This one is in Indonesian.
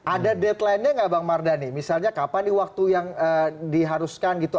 ada deadline nya nggak bang mardhani misalnya kapan nih waktu yang diharuskan gitu